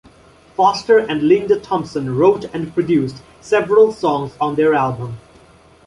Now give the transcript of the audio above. Foster and Linda Thompson wrote and produced several songs on their album.